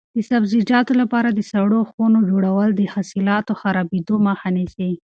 د سبزیجاتو لپاره د سړو خونو جوړول د حاصلاتو د خرابېدو مخه نیسي.